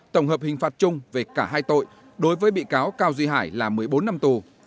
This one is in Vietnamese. tổng hợp hình phạt chung về cả hai tội đối với bị cáo cao duy hải là một mươi bốn năm tù